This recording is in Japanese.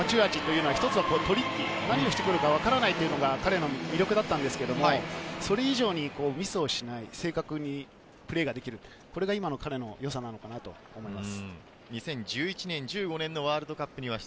彼の持ち味というのは、トリッキー、何をしてくるのかわからないというのが魅力だったんですけれど、それ以上にミスをしない、正確にプレーができる、これが今の彼の良さなのかなと思います。